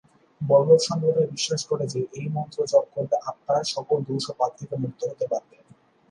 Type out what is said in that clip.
বল্লভ সম্প্রদায় বিশ্বাস করে যে, এই মন্ত্র জপ করলে আত্মা সকল দোষ ও পাপ থেকে মুক্ত হতে পারবে।